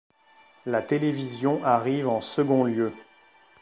La télévision arrive en second lieu.